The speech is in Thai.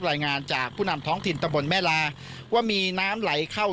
รายงานจากผู้นำท้องถิ่นตะบนแม่ลาว่ามีน้ำไหลเข้า